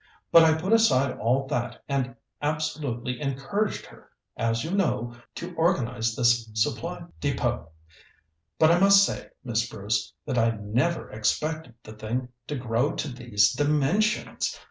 But I put aside all that and absolutely encouraged her, as you know, to organize this Supply Depôt. But I must say, Miss Bruce, that I never expected the thing to grow to these dimensions.